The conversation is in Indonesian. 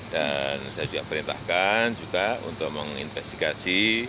dan saya juga perintahkan juga untuk menginvestigasi